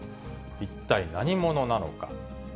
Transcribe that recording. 一体何者なのか。